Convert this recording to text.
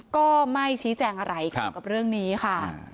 ก็ไม่ชี้แจงอะไรเกี่ยวกับเรื่องนี้ค่ะ